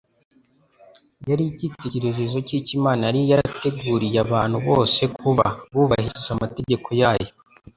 yari icyitegererezo cy'icyo Imana yari yarateguriye abantu bose kuba, bubahiriza amategeko yayo